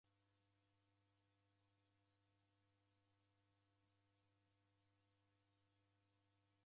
Bado ndedimerie kuwagha vindo